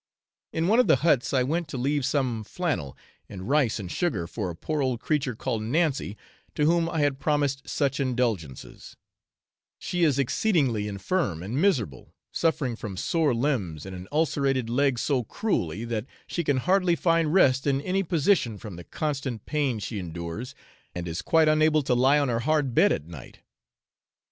In one of the huts I went to leave some flannel and rice and sugar for a poor old creature called Nancy, to whom I had promised such indulgences: she is exceedingly infirm and miserable, suffering from sore limbs and an ulcerated leg so cruelly that she can hardly find rest in any position from the constant pain she endures, and is quite unable to lie on her hard bed at night.